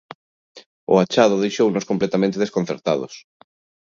O achado deixounos completamente desconcertados.